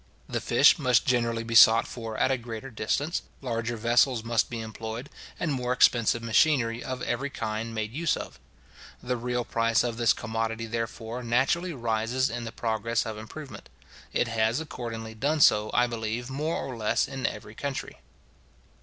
The fish must generally be sought for at a greater distance, larger vessels must be employed, and more expensive machinery of every kind made use of. The real price of this commodity, therefore, naturally rises in the progress of improvement. It has accordingly done so, I believe, more or less in every country.